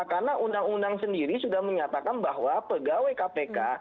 karena undang undang sendiri sudah menyatakan bahwa pegawai kpk